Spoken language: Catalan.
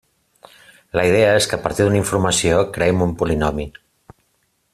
La idea és que a partir d'una informació, creem un polinomi.